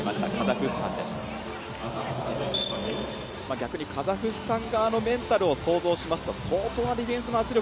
逆にカザフスタン側のメンタルを想像しますと相当なディフェンスの圧力